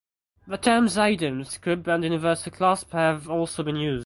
The terms Adams crib and universal clasp have also been used.